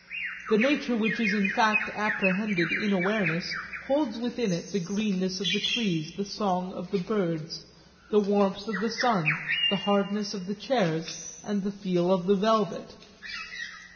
The nature which is the fact apprehended in awareness holds within it the greenness of the trees, the song of the birds, the warmth of the sun, the hardness of the chairs, and the feel of the velvet.